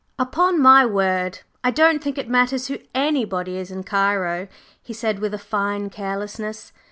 "Upon my word, I don't think it matters who anybody is in Cairo!" he said with a fine carelessness.